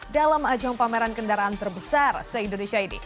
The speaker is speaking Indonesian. dalam ajang pameran kendaraan terbesar se indonesia ini